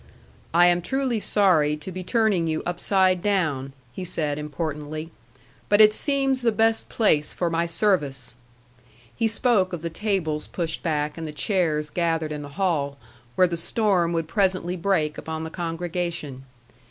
"I am truly sorry to be turning you upside down," he said importantly. "But it seems the best place for my service." He spoke of the tables pushed back and the chairs gathered in the hall, where the storm would presently break upon the congregation.